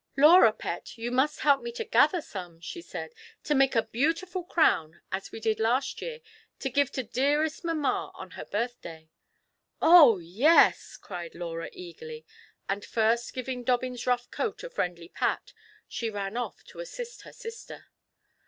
"Laura, pet, you must help me to gather some," she said, " to make a beautiful crown, as we did last year, to give to dearest mamma on her birthday." " Oh yes," cried Laura, eagerly ; and first giving Dobbin's rough coat a friendly pat, she ran off to assist her sister.